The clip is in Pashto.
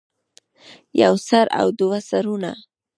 يو سر او دوه سرونه